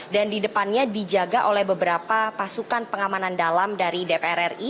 dan di depannya dijaga oleh beberapa pasukan pengamanan dalam dari dpr ri